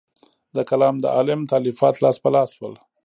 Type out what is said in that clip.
د کلام د علم تالیفات لاس په لاس شول.